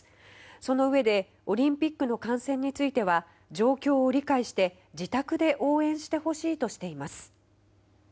そのうえでオリンピックの観戦については状況を理解して自宅で応援してほしいとしています。